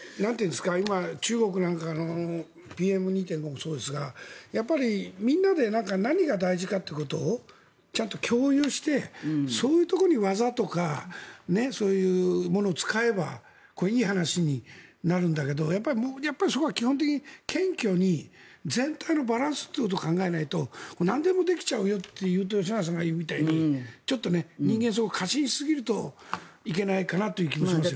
今、中国なんかのＰＭ２．５もそうですがやっぱり、みんなで何が大事かということをちゃんと共有してそういうところに技とかそういうものを使えばいい話になるんだけどやっぱり基本的に謙虚に全体のバランスということを考えないとなんでもできちゃうよというと吉永さんが言うみたいにちょっと人間は過信しすぎるといけないかなという感じがしますね。